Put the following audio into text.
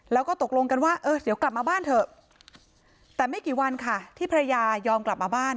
แล้วก็ตกลงกันว่าเออเดี๋ยวกลับมาบ้านเถอะแต่ไม่กี่วันค่ะที่ภรรยายอมกลับมาบ้าน